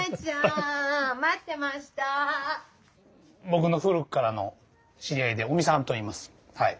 僕の古くからの知り合いで尾身さんといいますはい。